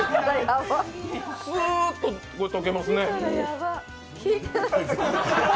スーッと溶けますね。